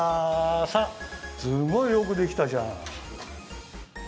さっすごいよくできたじゃん！